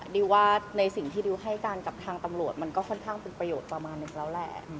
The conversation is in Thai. ดิวว่าในสิ่งที่ดิวให้กันกับทางตำรวจมันก็ค่อนข้างเป็นประโยชน์ประมาณนึงแล้วแหละ